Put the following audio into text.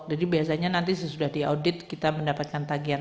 jadi biasanya nanti sesudah diaudit kita mendapatkan tagian